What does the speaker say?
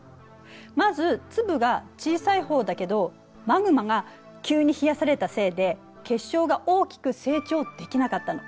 まず粒が小さい方だけどマグマが急に冷やされたせいで結晶が大きく成長できなかったの。